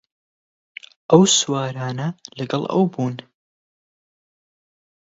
ئەو سوارانە لەگەڵ ئەو بوون